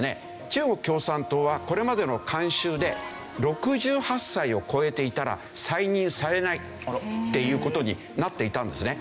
中国共産党はこれまでの慣習で６８歳を超えていたら再任されないっていう事になっていたんですね。